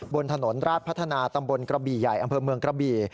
บนถนนราชพัฒนาตำบลกระบี่ใหญ่อำเภอเมืองกระบี่